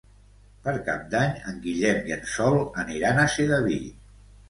Per Cap d'Any en Guillem i en Sol aniran a Sedaví.